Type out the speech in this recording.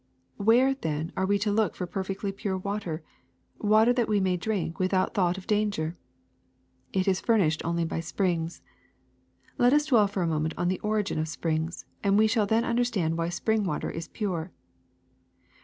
^^ Where, then, are we to look for perfectly pure water, water that we may drink without thought of danger? It is furnished only by springs. Let us dwell for a moment on the origin of springs, and we shall then understand why spring water is pure.